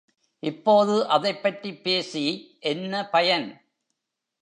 இப்போது அதைப்பற்றிப் பேசி என்ன பயன்?